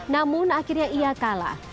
namun akhirnya ia kalah